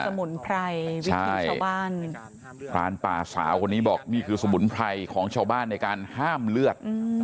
สมุนไพรวิถีชาวบ้านพรานป่าสาวคนนี้บอกนี่คือสมุนไพรของชาวบ้านในการห้ามเลือด